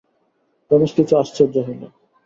রমেশ কিছু আশ্চর্য হইল।